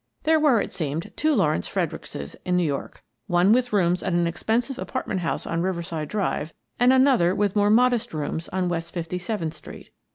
There were, it seemed, two Lawrence Freder ickses in New York — one with rooms at an ex pensive apartment house on Riverside Drive and another with more modest rooms on West Fifty seventh Street.